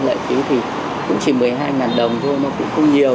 lệ phí thì cũng chỉ một mươi hai ngàn đồng thôi mà cũng không nhiều